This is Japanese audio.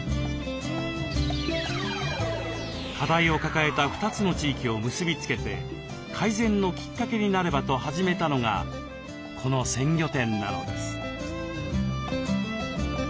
課題を抱えた２つの地域を結び付けて改善のきっかけになればと始めたのがこの鮮魚店なのです。